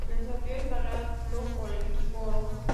El desafío es ganado por el equipo oro.